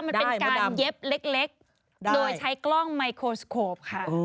เขาก็บอกว่ามันเป็นการเย็บเล็กโดยใช้กล้องไมโครสโคปค่ะ